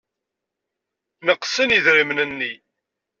Neqsen yidrimen-nni.